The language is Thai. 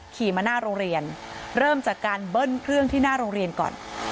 ขี่มาหน้าโรงเรียนเริ่มจากการเบิ้ลเครื่องที่หน้าโรงเรียนก่อน